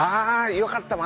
よかった。